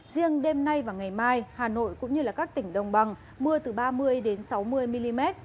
riêng đêm nay và ngày mai hà nội cũng như các tỉnh đồng bằng mưa từ ba mươi sáu mươi mm